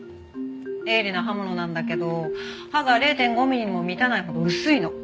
鋭利な刃物なんだけど刃が０．５ミリにも満たないほど薄いの。